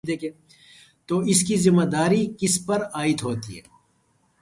تو اس کی ذمہ داری کس پر عائد ہوتی ہے؟